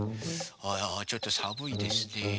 あちょっとさむいですね。